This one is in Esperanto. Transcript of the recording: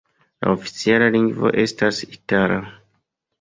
La oficiala lingvo estas itala.